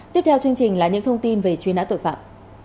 tiếp theo chương trình là những thông tin về truy nã tội phạm